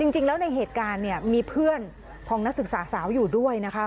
จริงแล้วในเหตุการณ์เนี่ยมีเพื่อนของนักศึกษาสาวอยู่ด้วยนะคะ